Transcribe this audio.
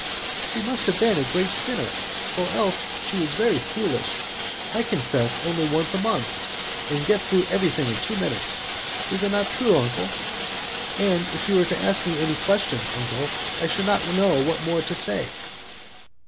"She must have been a great sinner, or else she was very foolish. I confess only once a month, and get through everything in two minutes. Is it not true, uncle? and if you were to ask me any questions, uncle, I should not know what more to say."